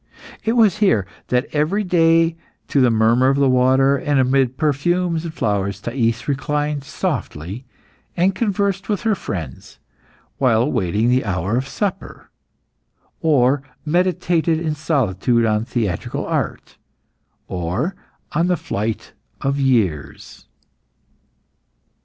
It was here that every day, to the murmur of the water, and amid perfumes and flowers, Thais reclined softly, and conversed with her friends, while awaiting the hour of supper, or meditated in solitude on theatrical art, or on the flight of years.